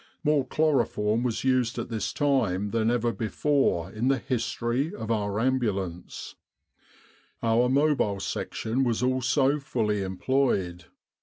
The Sinai Desert Campaign chloroform was used at this time than ever before in the history of our Ambulance. Our Mobile Section was also fully employed.